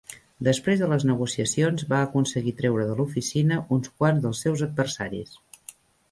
Després de les negociacions, va aconseguir treure de l'oficina uns quants dels seus adversaris.